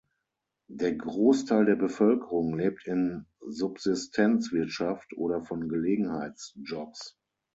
Der Großteil der Bevölkerung lebt in Subsistenzwirtschaft oder von Gelegenheitsjobs.